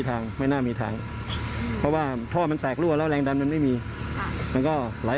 แต่ตอนนี้เอาลำยาลองจะเอบตัวดูแล้วไหนได้ไม่ได้